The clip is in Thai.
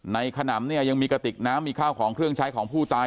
ขนำเนี่ยยังมีกระติกน้ำมีข้าวของเครื่องใช้ของผู้ตาย